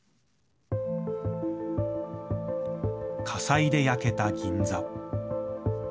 火災で焼けた銀座。